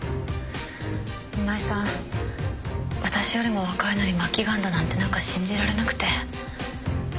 今井さん私よりも若いのに末期がんだなんて何か信じられなくて。